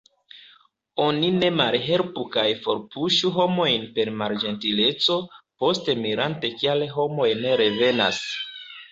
Oni ne malhelpu kaj forpuŝu homojn per malĝentileco, poste mirante kial homoj ne revenas.